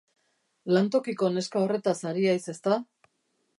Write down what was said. Lantokiko neska horretaz ari haiz, ezta?